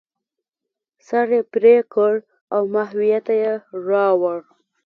سر یې پرې کړ او ماهویه ته یې راوړ.